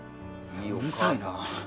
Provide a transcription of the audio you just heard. うるさいな。